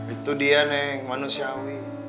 itu dia neng manusiawi